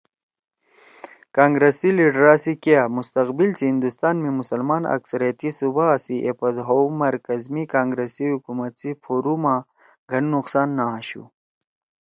کانگرس سی لیڈرا سی کیا مستقبل سی ہندوستان می مسلمان اکثریتی صوبا سی ایپود ہؤ مرکز می کانگرس سی حکومت سی پھورُو ما گھن نقصان نہ آشُو